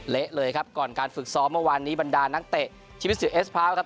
เละเลยครับก่อนการฝึกซ้อมเมื่อวานนี้บรรดานักเตะชีวิตเสียเอสพร้าวครับ